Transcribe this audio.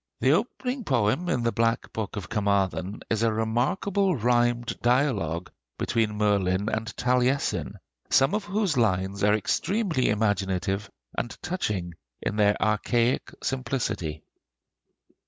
The opening poem in the 'Black Book of Carmarthen' is a remarkable rhymed dialogue between Merlin and Taliesin, some of whose lines are extremely imaginative and touching in their archaic simplicity.